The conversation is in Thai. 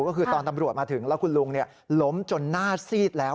ก็คือตอนตำรวจมาถึงแล้วคุณลุงล้มจนหน้าซีดแล้ว